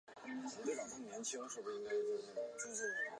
检察机关围绕大局抓的工作与总书记的要求完全吻合